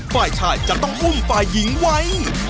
ฝ่ายชายจะต้องอุ้มฝ่ายหญิงไว้